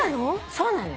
そうなの？